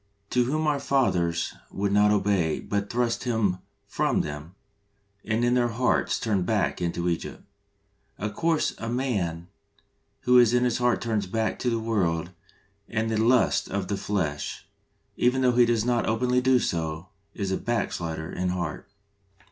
" To whom our fathers would not obey, but thrust Him from them, and in their hearts turned back again into Egypt " {Acts vii. 39). Of course a man who in his heart turns back to the world and the lusts of the flesh, even though he does not openly do so, is a backslider in heart.